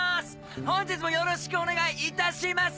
本日もよろしくお願いいたします！